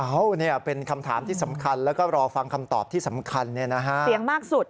เอ้านี่เป็นคำถามที่สำคัญแล้วก็รอฟังคำตอบที่สำคัญนะฮะ